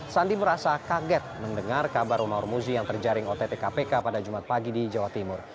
sandi merasa kaget mendengar kabar romahur muzi yang terjaring ott kpk pada jumat pagi di jawa timur